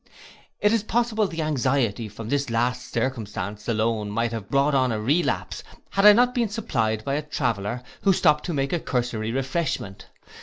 It is possible the anxiety from this last circumstance alone might have brought on a relapse, had I not been supplied by a traveller, who stopt to take a cursory refreshment.